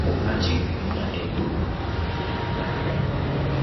Lwaki Kenya ego ye amagi ga Uganda.